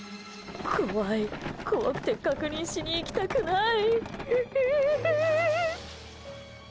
怖い怖くて確認しに行きたくない。